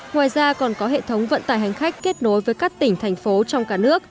ngoài ra còn có hệ thống vận tải hành khách kết nối với các tỉnh thành phố trong cả nước